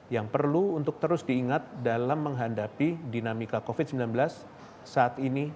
yang perlu untuk terus diingat dalam menghadapi dinamika covid sembilan belas saat ini